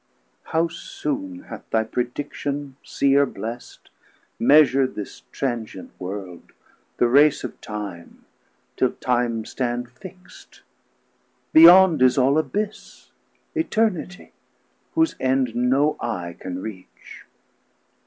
How soon hath thy prediction, Seer blest, Measur'd this transient World, the Race of time, Till time stand fixt: beyond is all abyss, Eternitie, whose end no eye can reach.